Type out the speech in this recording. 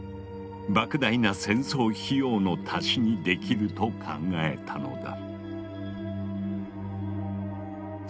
莫大な戦争費用の足しにできると考えたのだ。